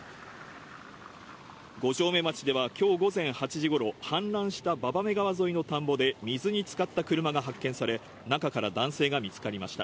五城目町ではきょう午前８時ごろ、氾濫した馬場目川沿いの田んぼで水に浸かった車が発見され、中から男性が見つかりました。